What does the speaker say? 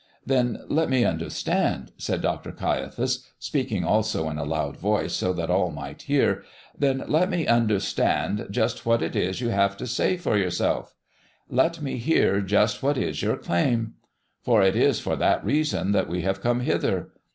"Then, let me understand," said Dr. Caiaphas, speaking also in a loud voice so that all might hear "then, let me understand just what it is you have to say for yourself. Let me hear just what is your claim, for it is for that reason that we have come hither.